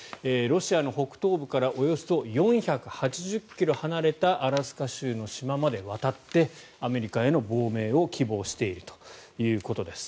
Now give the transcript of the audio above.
ロシアの北東部からおよそ４８０ｋｍ離れたアラスカ州の島まで渡ってアメリカへの亡命を希望しているということです。